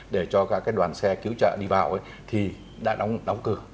để cho các cái đoàn xe cứu trợ đi vào ấy thì đã đóng cửa